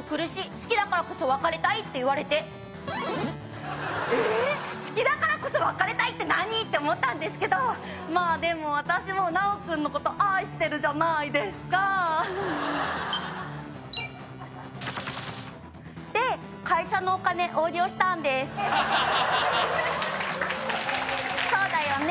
「好きだからこそ別れたい」って言われて「ええっ好きだからこそ別れたいって何！？」って思ったんですけどまあでも私もナオ君のこと愛してるじゃないですかで会社のお金横領したんですそうだよね？